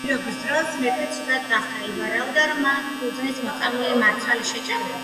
ნადირობის დროს მეფე ცუდად გახდა, ივარაუდება რომ მან ყურძნის მოწამლული მარცვალი შეჭამა.